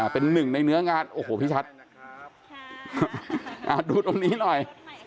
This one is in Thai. เป็นหนึ่งในเนื้องานโอ้โหพี่ชัดดูตรงนี้หน่อย